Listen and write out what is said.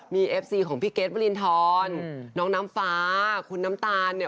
มีเอฟซีของพี่เกรทวรินทรน้องน้ำฟ้าคุณน้ำตาลเนี่ย